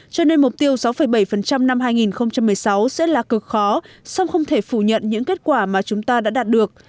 cho nên mục tiêu sáu bảy năm hai nghìn một mươi sáu sẽ là cực khó song không thể phủ nhận những kết quả mà chúng ta đã đạt được